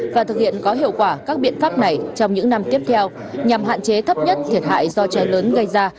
và thực hiện có hiệu quả các biện pháp này trong những năm tiếp theo nhằm hạn chế thấp nhất thiệt hại do cháy lớn gây ra